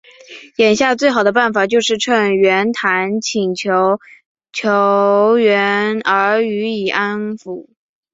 眼下最好的办法就是趁袁谭请求救援而予以安抚。